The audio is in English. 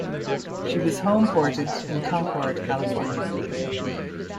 She was homeported in Concord, California.